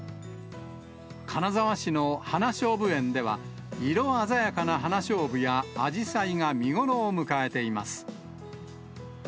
金沢市の花しょうぶ園では、色鮮やかな花しょうぶや、あじさいが見頃を迎えています。